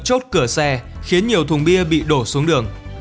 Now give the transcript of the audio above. chốt cửa xe khiến nhiều thùng bia bị đổ xuống đường